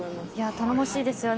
頼もしいですよね。